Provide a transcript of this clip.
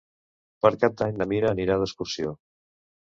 Per Cap d'Any na Mira anirà d'excursió.